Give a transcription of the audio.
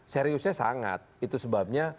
seriusnya sangat itu sebabnya